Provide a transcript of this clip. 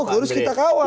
oh harus kita kawal